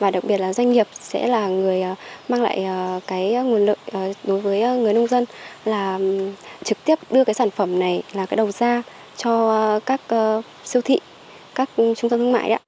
doanh nghiệp sẽ là người mang lại nguồn lượng đối với người nông dân là trực tiếp đưa sản phẩm này là đầu ra cho các siêu thị các trung tâm thương mại